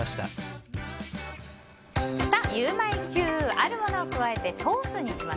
あるものを加えてソースにします。